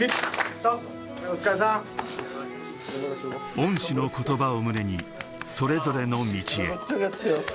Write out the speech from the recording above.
恩師の言葉を胸にそれぞれの道へ。